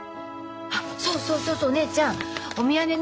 あっそうそうそうそうお姉ちゃんお土産ね